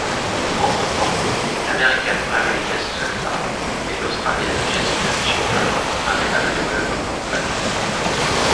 Entre-temps, l'Américaine Mary Descenza et l'Australienne Jessicah Schipper avaient amélioré le record planétaire.